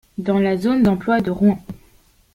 Dans la zone d'emploi de Rouen.